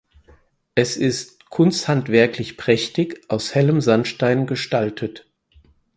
Es ist "kunsthandwerklich prächtig" aus hellem Sandstein gestaltet.